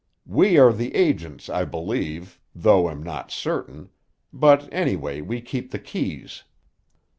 We are the agents, I believe, though am not certain; but anyway we keep the keys.